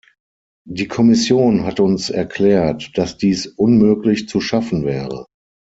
Die Kommission hat uns erklärt, dass dies unmöglich zu schaffen wäre.